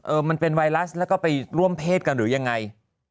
มันเป็นไวรัสแล้วก็ไปร่วมเพศกันหรือยังไง